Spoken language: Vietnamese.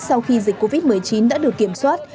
sau khi dịch covid một mươi chín đã được kiểm soát